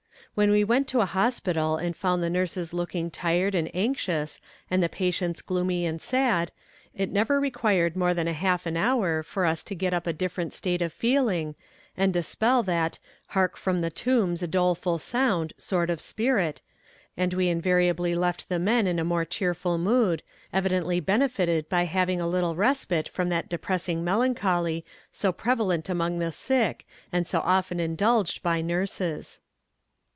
When we went to a hospital and found the nurses looking tired and anxious and the patients gloomy and sad, it never required more than half an hour for us to get up a different state of feeling, and dispel that "Hark from the tombs a doleful sound" sort of spirit, and we invariably left the men in a more cheerful mood, evidently benefited by having a little respite from that depressing melancholy so prevalent among the sick, and so often indulged by nurses.